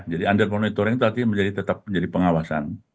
jadi under monitoring itu artinya tetap menjadi pengawasan